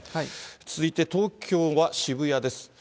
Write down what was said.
続いて東京は渋谷です。